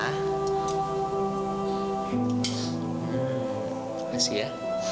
hmm makasih ya